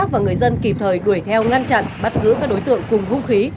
và người dân kịp thời đuổi theo ngăn chặn bắt giữ các đối tượng cùng hung khí